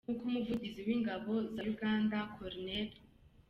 Nk’uko umuvugizi w’ingabo za Uganda Col.